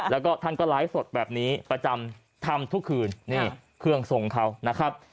แล้วก็ท่านก็ไลฟ์สดแบบนี้ประจำทำทุกคืนนี่เครื่องทรงเขานะครับ